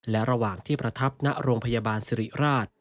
และระหว่างที่ประทับณโรงพยาบาลสิริราช